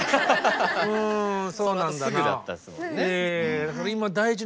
うんそうなんだな。